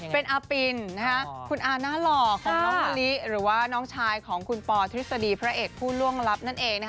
เป็นอาปินคุณอาหน้าหล่อของน้องมะลิหรือว่าน้องชายของคุณปอทฤษฎีพระเอกผู้ล่วงลับนั่นเอง